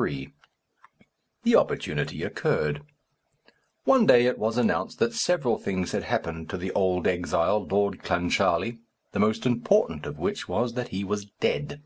III. The opportunity occurred. One day it was announced that several things had happened to the old exile, Lord Clancharlie, the most important of which was that he was dead.